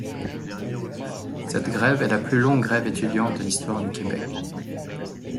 Cette grève est la plus longue grève étudiante de l'histoire du Québec.